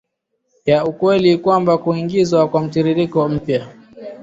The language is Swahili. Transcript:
ya ukweli kwamba kuingizwa kwa mtiririko mpya